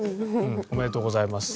おめでとうございます。